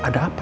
ada apa ya